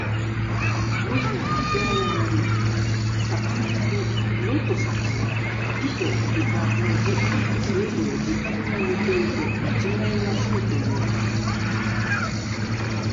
文字の書き誤り。「魯」と「魚」、「亥」と「豕」の字とが、それぞれ字画が似ていて間違えやすいということ。